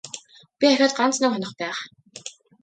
Би ахиад ганц нэг хонох байх.